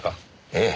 ええ。